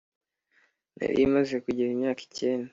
narimaze kugira imyaka icyenda.